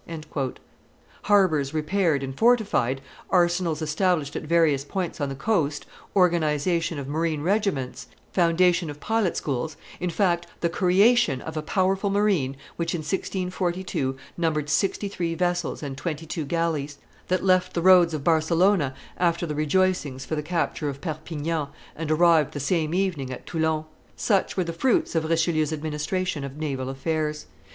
Harbors repaired and fortified, arsenals established at various points on the coast, organization of marine regiments, foundation of pilot schools, in fact, the creation of a powerful marine which, in 1642, numbered sixty three vessels and twenty two galleys, that left the roads of Barcelona after the rejoicings for the capture of Perpignan and arrived the same evening at Toulon such were the fruits of Richelieu's administration of naval affairs.